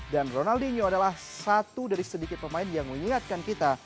dan ronaldinho adalah satu dari sedikit pemain yang mengingatkan kita